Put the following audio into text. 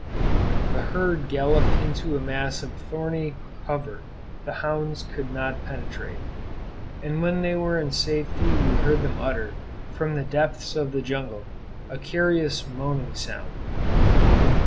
The herd galloped into a mass of thorny cover the hounds could not penetrate; and when they were in safety we heard them utter, from the depths of the jungle, a curious moaning sound.